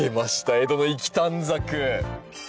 江戸の粋短冊。